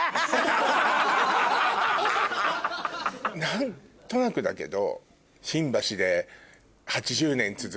何となくだけど。